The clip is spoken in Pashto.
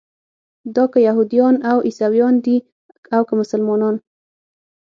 دا که یهودیان او عیسویان دي او که مسلمانان.